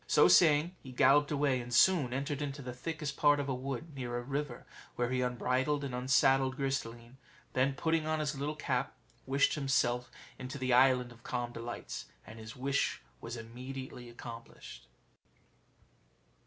So saying, he galloped away, and soon entered into the thickest part of a wood, near a river where he unbridled and unsaddled Gris de line; then, putting on his little cap, wished himself in the Island of Calm Delights, and his wish was immediately accomplished.